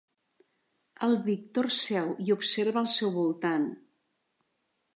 El Víctor seu i observa al seu voltant.